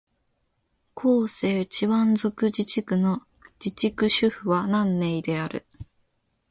広西チワン族自治区の自治区首府は南寧である